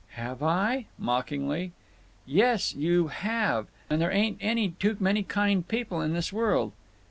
"Have I?" mockingly. "Yes, you have. And there ain't any too many kind people in this world."